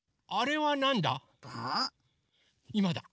いまだ！